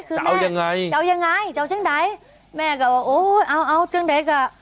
คือแม่จะเอายังไงจะเอาจึงไหนแม่ก็ว่าโอ้เอาเอาจึงไหนก็